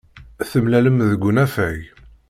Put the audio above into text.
Temlalem deg unafag.